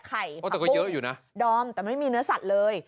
ไข่ผักบุ้งโดมแต่ไม่มีเนื้อสัตว์เลย